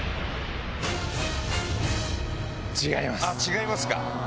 違いますか。